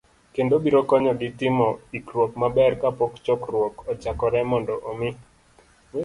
kendo, biro konyogi timo ikruok maber kapok chokruok ochakore, mondo omi